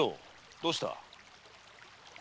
どうした？